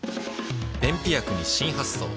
便秘薬に新発想